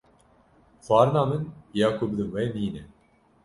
Xwarina min ya ku bidim we nîne.